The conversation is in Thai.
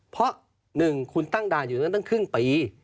เพราะ๑คุณตั้งด่านอยู่นั้นตั้งครึ่งปี